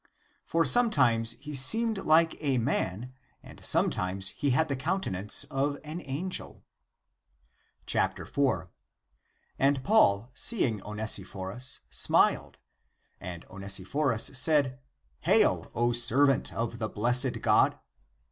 For sometimes he seemed like a man, and sometimes he had the countenance of an angel. 4. And Paul, seeing Onesiphorus, smiled; and Onesiphorus said, " Hail, O servant of the blessed God."